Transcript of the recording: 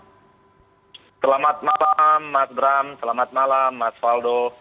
selamat malam mas bram selamat malam mas faldo